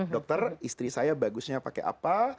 dokter istri saya bagusnya pakai apa